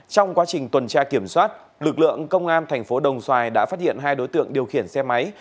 trong quá trình tuần tra kiểm soát lực lượng công an thành phố đồng xoài đã phát hiện hai đối tượng điều khiển xe máy